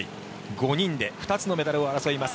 ５人で２つのメダルを争います。